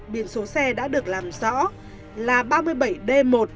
biển số xe đã được làm rõ là ba mươi bảy d một chín mươi nghìn hai trăm bốn mươi ba